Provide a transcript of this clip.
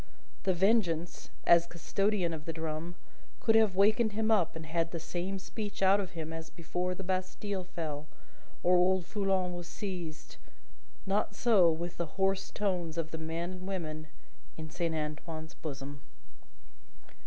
The Vengeance, as custodian of the drum, could have wakened him up and had the same speech out of him as before the Bastille fell, or old Foulon was seized; not so with the hoarse tones of the men and women in Saint Antoine's bosom.